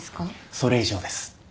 それ以上です。